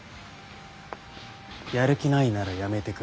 やる気ないなら辞めてくれ。